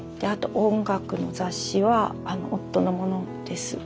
音楽の雑誌は夫のものです。